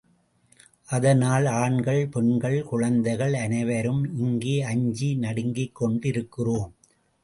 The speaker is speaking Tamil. அதனால் ஆண்கள், பெண்கள், குழந்தைகள் அனைவரும் இங்கே அஞ்சி நடுங்கிக் கொண்டி ருக்கிறோம்.